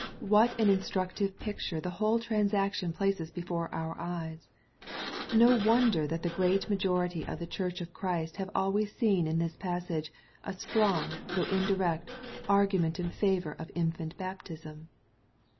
What an instructive picture the whole transaction places before our eyes 1 No wonder that the great majority of the Church of Christ have always seen in this passage, a strong, though indirect, argument in favor of in&nt baptism.